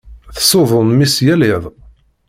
Tessudun mmi-s yal iḍ.